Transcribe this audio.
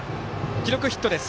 記録はヒットです。